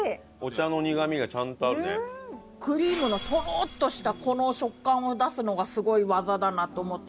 クリームのとろっとしたこの食感を出すのがすごい技だなと思って。